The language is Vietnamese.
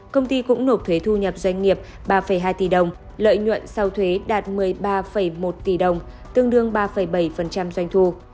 công ty cũng nộp thuế thu nhập doanh nghiệp ba hai tỷ đồng lợi nhuận sau thuế đạt một mươi ba một tỷ đồng tương đương ba bảy doanh thu